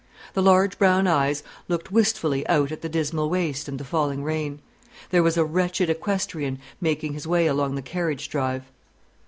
The large brown eyes looked wistfully out at the dismal waste and the falling rain. There was a wretched equestrian making his way along the carriage drive.